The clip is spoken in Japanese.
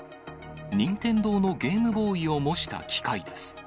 任天堂のゲームボーイを模した機械です。